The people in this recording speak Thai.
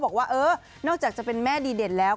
บอกว่าเออนอกจากจะเป็นแม่ดีเด่นแล้ว